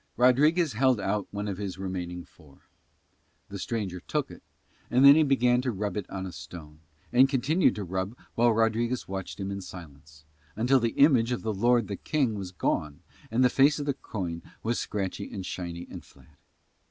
Rodriguez held out one of his remaining four: the stranger took it. And then he began to rub it on a stone, and continued to rub while Rodriguez watched in silence, until the image of the lord the King was gone and the face of the coin was scratchy and shiny and flat.